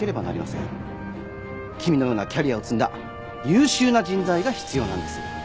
君のようなキャリアを積んだ優秀な人材が必要なんです。